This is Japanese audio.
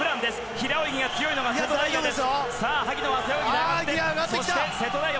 平泳ぎが強いのが瀬戸大也。